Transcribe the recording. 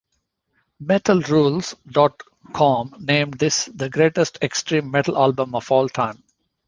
Metal-Rules dot com named this the greatest extreme metal album of all time.